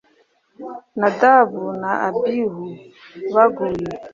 Nadabu na Abihu baguye